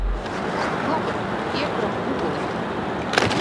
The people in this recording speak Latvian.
Labi. Iekuram uguni!